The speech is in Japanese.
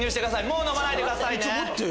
もう飲まないでくださいね。